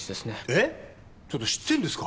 えっちょっと知ってんですか？